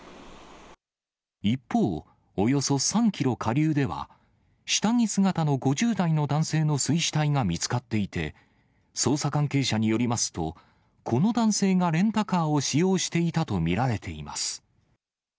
一方、およそ３キロ下流では、下着姿の５０代の男性の水死体が見つかっていて、捜査関係者によりますと、この男性がレンタカーを使用していたと見られています。